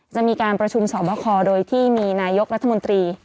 จะมีการประชุมสอบคอโดยที่มีนายกรัฐมนตรี